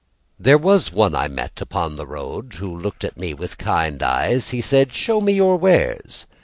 There was one I met upon the road Who looked at me with kind eyes. He said: "Show me of your wares."